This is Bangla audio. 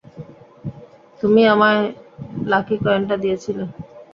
তুমিই আমায় লাকি কয়েনটা দিয়েছিলে।